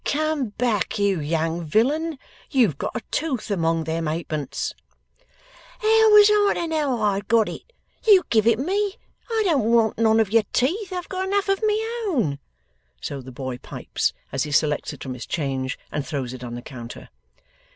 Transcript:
Come back, you young villain! You've got a tooth among them halfpence.' 'How was I to know I'd got it? You giv it me. I don't want none of your teeth; I've got enough of my own.' So the boy pipes, as he selects it from his change, and throws it on the counter.